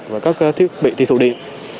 và các thiết bị thi thụ điện